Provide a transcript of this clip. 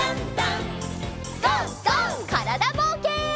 からだぼうけん。